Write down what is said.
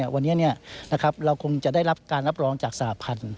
วันนี้เราคงจะได้รับการรับรองจากสหพันธ์